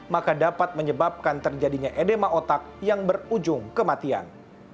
maka dapat menyebabkan terjadinya edema otak yang berujung kematian